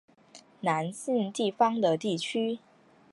南信地方的地区。